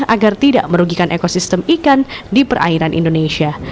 agar tidak merugikan ekosistem ikan di perairan indonesia